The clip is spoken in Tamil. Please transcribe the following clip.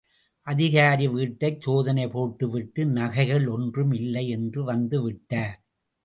அதிகாரி வீட்டைச் சோதனை போட்டு விட்டு நகைகள் ஒன்றும் இல்லை என்று வந்து விட்டார்.